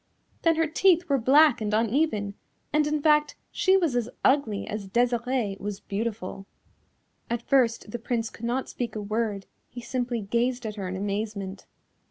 Then her teeth were black and uneven, and, in fact, she was as ugly as Desirée was beautiful. At first the Prince could not speak a word, he simply gazed at her in amazement.